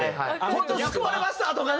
「本当救われました」とかね。